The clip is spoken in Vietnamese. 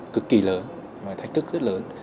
cực kỳ lớn và thách thức rất lớn